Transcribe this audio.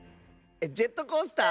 ジェットコースター？